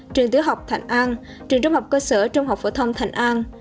trường tứ học thành an trường trung học cơ sở trung học phổ thông thành an